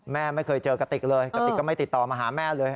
แม่ไม่เคยเจอกระติกเลยกระติกก็ไม่ติดต่อมาหาแม่เลย